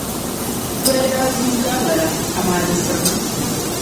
Zoya daa du n-gari lala, amaa di sirigimi.